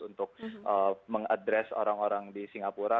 untuk mengadres orang orang di singapura